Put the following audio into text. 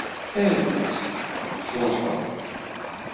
Awi-tt, tṛuḥeḍ.